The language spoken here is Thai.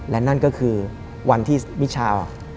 และไม่เคยเข้าไปในห้องมิชชาเลยแม้แต่ครั้งเดียว